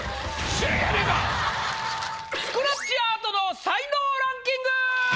今夜スクラッチアートの才能ランキング！